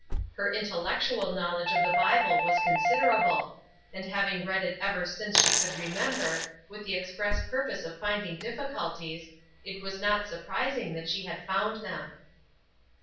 Her intellectual knowledge of the Bible was considerable; and having read it ever since she could remember, with the express purpose of finding difficulties, it was not surprising that she had found them.